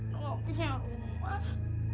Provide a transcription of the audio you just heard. nggak punya rumah